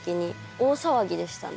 大騒ぎでしたね。